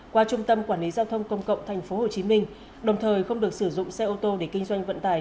qua trung tâm quản lý giao thông công cộng tp hcm đồng thời không được sử dụng xe ô tô để kinh doanh vận tải